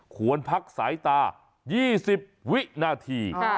ควรพักสายตา๒๐วินาที